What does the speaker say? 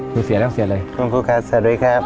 คุณครูครับสวัสดีครับ